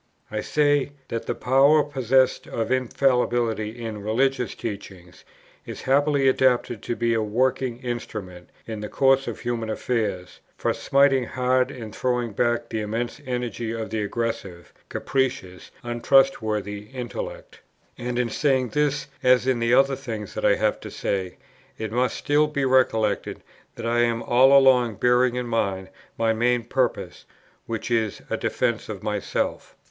I say, that a power, possessed of infallibility in religious teaching, is happily adapted to be a working instrument, in the course of human affairs, for smiting hard and throwing back the immense energy of the aggressive, capricious, untrustworthy intellect: and in saying this, as in the other things that I have to say, it must still be recollected that I am all along bearing in mind my main purpose, which is a defence of myself.